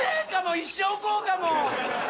一生こうかも。